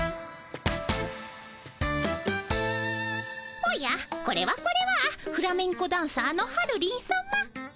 おやこれはこれはフラメンコダンサーの春リンさま。